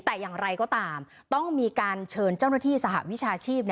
แต่อย่างไรก็ตามต้องมีการเชิญเจ้าหน้าที่สหวิชาชีพ